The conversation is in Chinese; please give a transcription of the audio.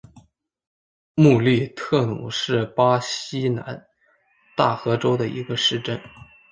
穆利特努是巴西南大河州的一个市镇。